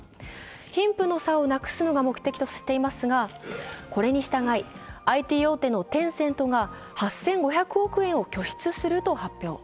貧富の差をなくすのが目的としていますが、これに従い、ＩＴ大手のテンセントが８５００億円を拠出すると発表。